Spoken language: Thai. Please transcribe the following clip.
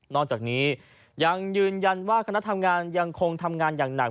จากนี้ยังยืนยันว่าคณะทำงานยังคงทำงานอย่างหนัก